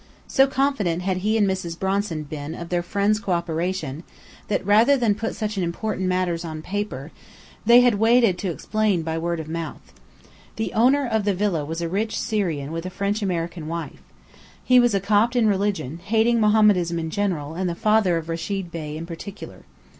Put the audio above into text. So confident had he and Mrs. Bronson been of their friends' cooperation, that rather than put such important matters on paper, they had waited to explain by word of mouth. The owner of the villa was a rich Syrian with a French American wife. He was a Copt in religion, hating Mohammedanism in general and the father of Rechid Bey in particular.